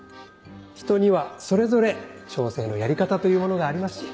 人にはそれぞれ調整のやり方というものがありますし。